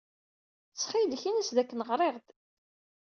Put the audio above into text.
Ttxil-k, ini-as dakken ɣriɣ-d.